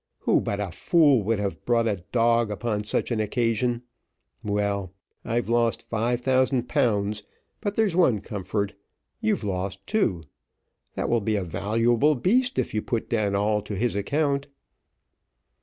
Who but a fool would have brought a dog upon such an occasion? Well, I've lost five thousand pounds; but there's one comfort, you've lost too. That will be a valuable beast, if you put all down to his account."